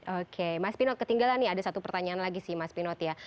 oke mas pinot ketinggalan nih ada satu pertanyaan lagi sih mas pinot ya